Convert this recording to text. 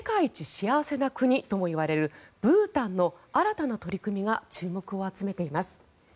幸せな国ともいわれるブータンの新たな取り組みが注目を集めています。